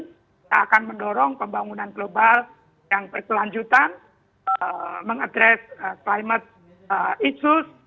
kita akan mendorong pembangunan global yang berkelanjutan mengadres climate itsus